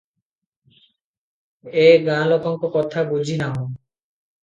ଏ ଗାଁ ଲୋକଙ୍କ କଥା ବୁଝି ନାହୁଁ?